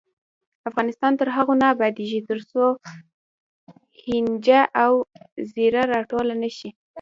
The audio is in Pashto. افغانستان تر هغو نه ابادیږي، ترڅو هینجه او زیره راټوله نشي.